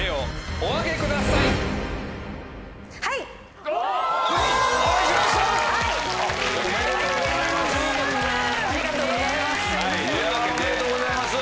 おめでとうございます。